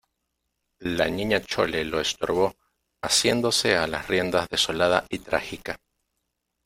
la Niña Chole lo estorbó asiéndose a las riendas desolada y trágica: